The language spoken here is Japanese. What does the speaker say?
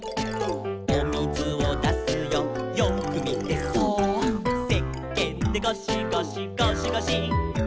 「おみずをだすよよーくみてそーっ」「せっけんでゴシゴシゴシゴシ」